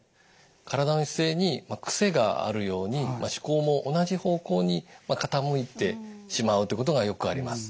体の姿勢に癖があるように思考も同じ方向に傾いてしまうということがよくあります。